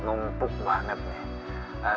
ngumpuk banget nih